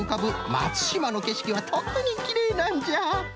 まつしまのけしきはとくにきれいなんじゃ。